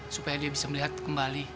supaya dia bisa melihat kembali